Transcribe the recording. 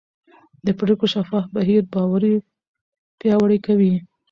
د پرېکړو شفاف بهیر باور پیاوړی کوي